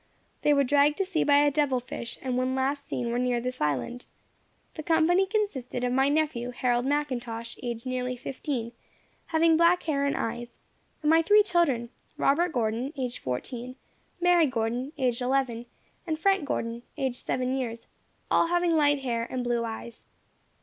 They were dragged to sea by a devil fish, and when last seen were near this island. The company consisted of my nephew, Harold McIntosh, aged nearly fifteen, having black hair and eyes; and my three children, Robert Gordon, aged fourteen; Mary Gordon, aged eleven; and Frank Gordon, aged seven years; all having light hair and blue eyes.